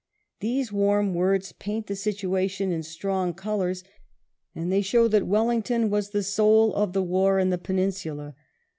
These warm words paint the situation in strong colours, and they show that Wellington was the soul of the war in the Peninsula.